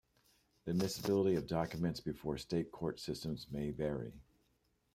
Admissibility of documents before state court systems may vary.